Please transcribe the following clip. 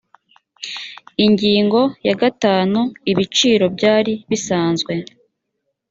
ingingo ya gatanu ibiciro byari bisanzwe